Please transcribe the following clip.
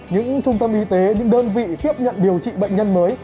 những trung tâm y tế những đơn vị tiếp nhận điều trị bệnh nhân mới